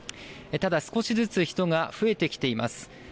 ただ、少しずつ人が増えてきています。